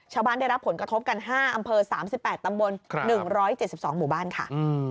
ได้รับผลกระทบกัน๕อำเภอ๓๘ตำบล๑๗๒หมู่บ้านค่ะ